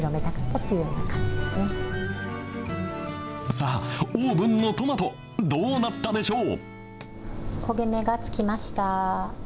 さあ、オーブンのトマト、どうなったでしょう？